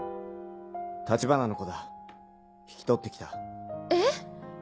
立花の子だ引き取ってきたええっ？